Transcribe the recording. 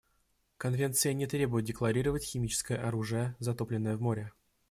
Конвенция не требует декларировать химическое оружие, затопленное в море.